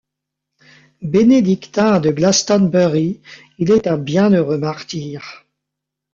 Bénédictin de Glastonbury, il est un bienheureux martyr.